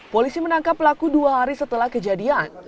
polisi menangkap pelaku dua hari setelah kejadian